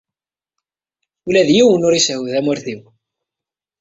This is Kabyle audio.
Ula d yiwen ur isehhu tamurt-iw.